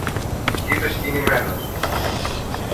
είπε συγκινημένος.